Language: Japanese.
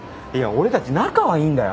俺たち仲はいいんだよ。